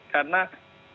karena dalam perjalanan ini